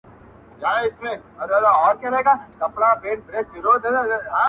پر رخسار دي اورولي خدای د حُسن بارانونه.